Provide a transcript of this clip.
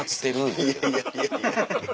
いやいやいやいや。